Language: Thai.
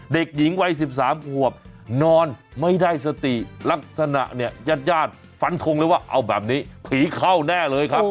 เด็กหญิงวัย๑๓ขวบนอนไม่ได้สติลักษณะเนี่ยญาติญาติฟันทงเลยว่าเอาแบบนี้ผีเข้าแน่เลยครับ